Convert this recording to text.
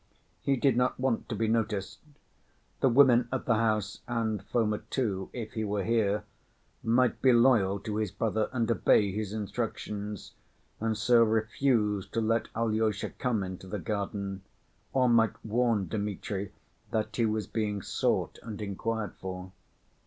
He did not want to be noticed. The woman of the house and Foma too, if he were here, might be loyal to his brother and obey his instructions, and so refuse to let Alyosha come into the garden, or might warn Dmitri that he was being sought and inquired for.